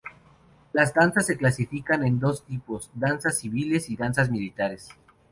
Las danzas se clasifican en dos tipos: danzas civiles y danzas militares.